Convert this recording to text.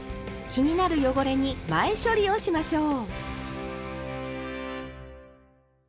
気になる汚れに前処理をしましょう。